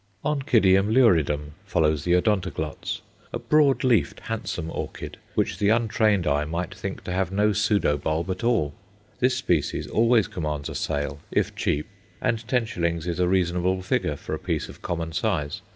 Oncidium luridum follows the Odontoglots, a broad leaved, handsome orchid, which the untrained eye might think to have no pseudo bulb at all. This species always commands a sale, if cheap, and ten shillings is a reasonable figure for a piece of common size.